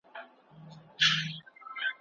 دا پرمختګ د خوښۍ لامل شوی.